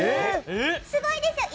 すごいですよ